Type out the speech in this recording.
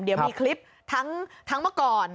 เดี๋ยวมีคลิปทั้งเมื่อก่อน